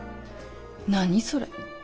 何それ。